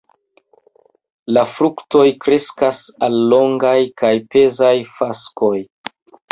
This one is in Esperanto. La fruktoj kreskas al longaj kaj pezaj faskoj.